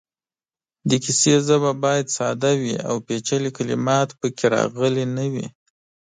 د کیسې ژبه باید ساده وي او پېچلې کلمات پکې راغلې نه وي.